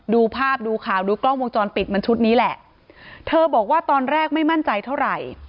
ดูภาพดูข่าวดูกล้องวงจรปิดมันชุดนี้แหละเธอบอกว่าตอนแรกไม่มั่นใจเท่าไหร่